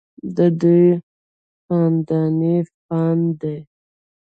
ددوي خانداني فن دے